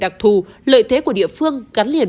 đặc thù lợi thế của địa phương gắn liền